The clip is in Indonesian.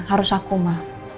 harus aku ma